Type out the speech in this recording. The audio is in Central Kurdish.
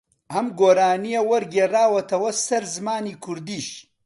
ئەم گۆرانییە وەرگێڕاوەتەوە سەر زمانی کوردیش